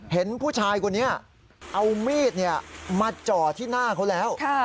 เห็นผู้ชายคนนี้เอามีดมาจ่อที่หน้าเขาแล้ว